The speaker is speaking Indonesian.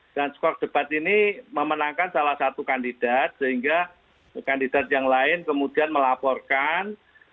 dan skor debat ini memenangkan salah satu kandidat sehingga kandidat yang lain kemudian melaporkan